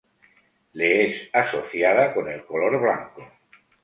Le es asociada con el color blanco.